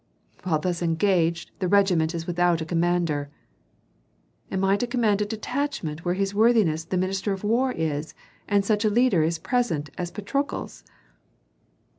"While thus engaged, the regiment is without a commander." "Am I to command a detachment where his worthiness the minister of war is, and such a leader is present as Patrokles?"